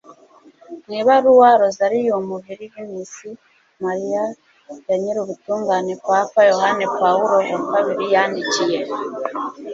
mu ibaruwa rosarium virginis mariae ya nyirubutungane papa yohani pawulo wa ii yandikiye